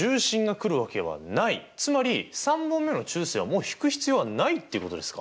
つまり３本目の中線はもう引く必要はないっていうことですか。